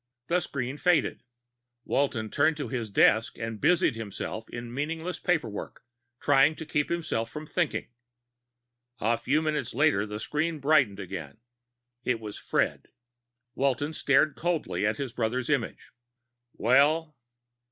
The screen faded. Walton turned back to his desk and busied himself in meaningless paper work, trying to keep himself from thinking. A few moments later the screen brightened again. It was Fred. Walton stared coldly at his brother's image. "Well?"